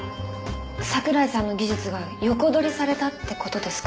桜井さんの技術が横取りされたって事ですか？